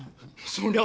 そりゃ